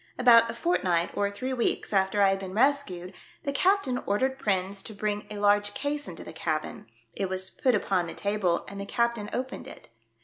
About a fortnight or three weeks after I had been rescued, the captain ordered Prins to bring a large case into the cabin; it was put upon the table and the captain opened it.